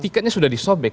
tiketnya sudah disobek